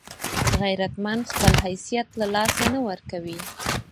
غیرتمند خپل حیثیت له لاسه نه ورکوي